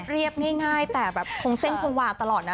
เรียบง่ายแต่แบบคงเส้นคงวาตลอดนะ